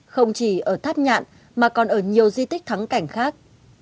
không chỉ ở tháp nhạn mà còn ở nhiều di tích thắng cảnh khác